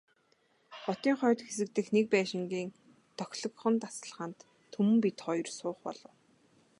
Хотын хойд хэсэг дэх нэг байшингийн тохилогхон тасалгаанд Түмэн бид хоёр суух болов.